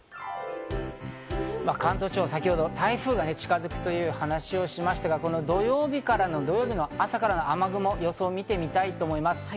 関東地方、先ほど台風が近づくという話をしましたが、土曜日の朝からの雨雲の予想を見てみたいと思います。